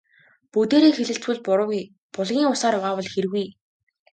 Бүгдээрээ хэлэлцвэл буруугүй, булгийн усаар угаавал хиргүй.